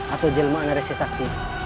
atau jelma anarasi sakti